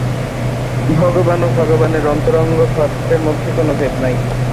ভগবান ও ভগবানের অন্তরঙ্গ ভক্তের মধ্যে কোন ভেদ নাই।